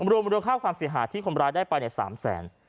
รวมรวมข้าวความเสียหาดที่ขมราชได้ไปใน๓แสน